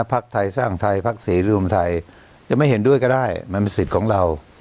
พักไทยสร้างไทยพักศรีรวมไทยจะไม่เห็นด้วยก็ได้มันเป็นสิทธิ์ของเรา